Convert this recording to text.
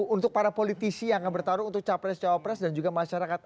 untuk para politisi yang akan bertarung untuk capres capres dan juga masyarakat